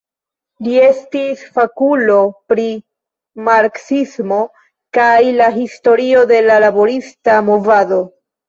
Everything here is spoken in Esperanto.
Li estis fakulo pri marksismo kaj la historio de la laborista movado.